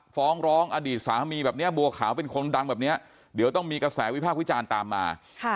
ฟ้องร้องอดีตสามีแบบนี้บัวขาวเป็นคนดังแบบนี้เดี๋ยวต้องมีกระแสวิพากษ์วิจารณ์ตามมา